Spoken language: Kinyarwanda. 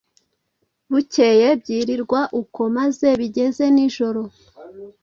bukeye byirirwa uko maze bigeze nijoro,